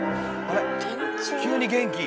あれっ急に元気。